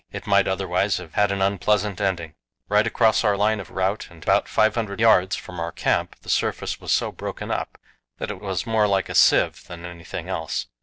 It might otherwise have had an unpleasant ending. Right across our line of route and about 500 yards from our camp the surface was so broken up that it was more like a sieve than anything else.